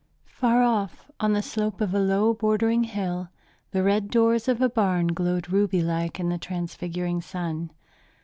Far off, on the slope of a low, bordering hill, the red doors of a barn glowed ruby like in the transfiguring sun.